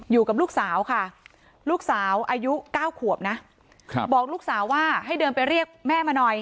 อยู่กับลูกสาวค่ะลูกสาวอายุ๙ขวบนะบอกลูกสาวว่าให้เดินไปเรียกแม่มาหน่อย